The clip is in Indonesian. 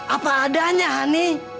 apa adanya hani